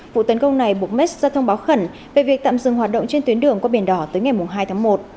vụ tấn công này buộc mez ra thông báo khẩn về việc tạm dừng hoạt động trên tuyến đường qua biển đỏ tới ngày hai tháng một